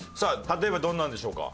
例えばどんなのでしょうか？